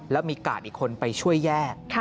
แล้วมีกาดอีกคนไปช่วยแยก